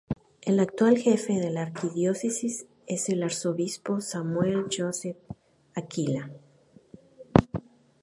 El actual jefe de la arquidiócesis es el arzobispo Samuel Joseph Aquila.